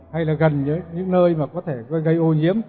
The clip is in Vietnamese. hay là gần với những nơi mà có thể gây ô nhiễm